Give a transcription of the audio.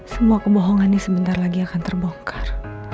semua kebohongannya sebentar lagi akan terbongkar